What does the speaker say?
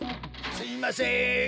すみません。